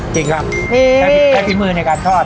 จริงครับใช้ฝีมือในการทอด